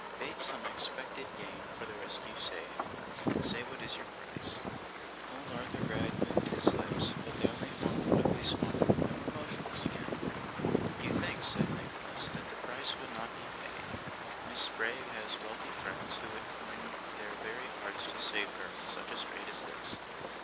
Bate some expected gain for the risk you save, and say what is your price.' Old Arthur Gride moved his lips, but they only formed an ugly smile and were motionless again. 'You think,' said Nicholas, 'that the price would not be paid. Miss Bray has wealthy friends who would coin their very hearts to save her in such a strait as this.